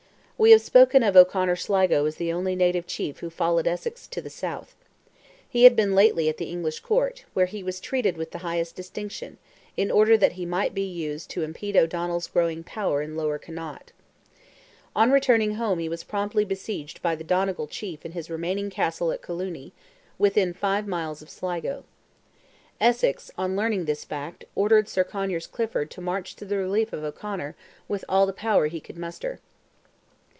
We have spoken of O'Conor Sligo as the only native chief who followed Essex to the South. He had been lately at the English Court, where he was treated with the highest distinction, in order that he might be used to impede O'Donnell's growing power in lower Connaught. On returning home he was promptly besieged by the Donegal chief in his remaining castle at Colooney, within five miles of Sligo. Essex, on learning this fact, ordered Sir Conyers Clifford to march to the relief of O'Conor with all the power he could muster.